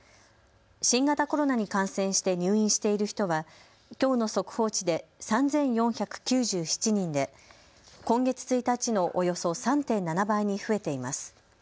新型コロナに感染して入院している人はきょうの速報値で３４９７人で今月１日のおよそ３．７倍に増えています。